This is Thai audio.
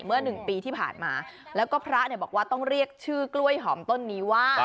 หนึ่งปีที่ผ่านมาแล้วก็พระเนี่ยบอกว่าต้องเรียกชื่อกล้วยหอมต้นนี้ว่า